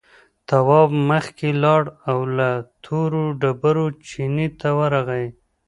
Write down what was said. تواب مخکې لاړ او له تورو ډبرو چينې ته ورغی.